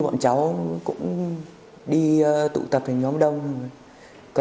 ngoài những người bên đường nữa